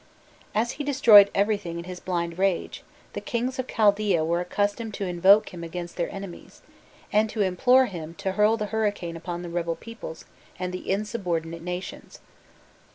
As he destroyed everything in his blind rage, the kings of Chaldaea were accustomed to invoke him against their enemies, and to implore him to "hurl the hurricane upon the rebel peoples and the insubordinate nations."